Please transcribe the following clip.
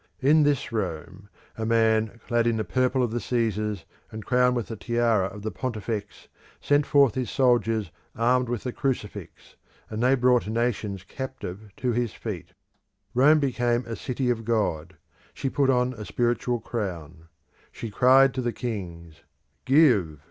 In this Rome a man clad in the purple of the Caesars and crowned with the tiara of the Pontifex sent forth his soldiers armed with the crucifix, and they brought nations captive to his feet. Rome became a city of God: she put on a spiritual crown. She cried to the kings, Give!